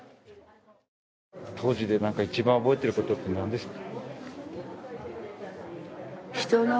当時で何か一番覚えてることって何ですか？